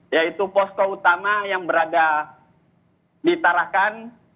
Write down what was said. yaitu posko utama yang berada di tarakan